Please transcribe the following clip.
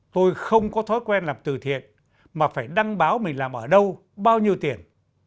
tôi không có thói quen làm từ thiện mà phải đăng báo mình làm ở đâu bao nhiêu tiền